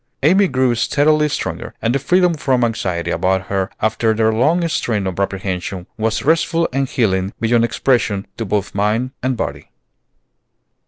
Amy grew steadily stronger, and the freedom from anxiety about her after their long strain of apprehension was restful and healing beyond expression to both mind and body.